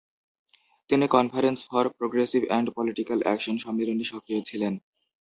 তিনি conference for progressive and political action সম্মেলনে সক্রিয় ছিলেন।